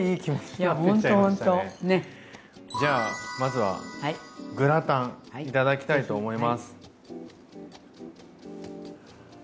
じゃあまずはグラタンいただきたいと思います。